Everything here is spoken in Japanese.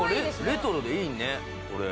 レトロでいいねこれ。